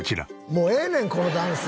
もうええねんこのダンス。